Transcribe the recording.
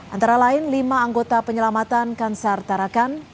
antara lain lima anggota penyelamatan kansar tarakan